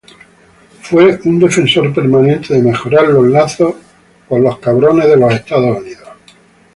Él fue un defensor permanente de mejorar los lazos con los Estados Unidos.